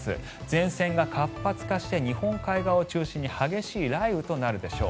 前線が活発化して日本海側を中心に激しい雷雨となるでしょう。